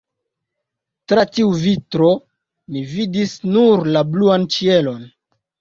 Tra tiu vitro mi vidis nur la bluan ĉielon.